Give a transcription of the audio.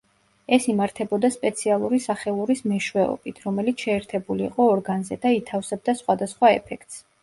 ეს იმართებოდა სპეციალური სახელურის მეშვეობით, რომელიც შეერთებული იყო ორგანზე და ითავსებდა სხვადასხვა ეფექტს.